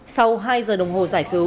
sau hai giờ đồng hồ giải cứu